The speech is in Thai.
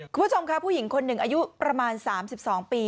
คุณผู้ชมค่ะผู้หญิงคนหนึ่งอายุประมาณ๓๒ปี